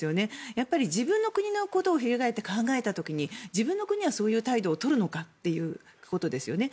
やっぱり自分の国のことを翻って考えた時に自分の国はそういう態度を取るのかということですよね。